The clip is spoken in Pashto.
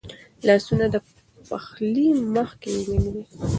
لاسونه د پخلي مخکې ومینځئ.